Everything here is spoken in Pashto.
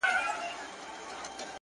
يوې ملالي پسې بله مړه ده’ بله مړه ده’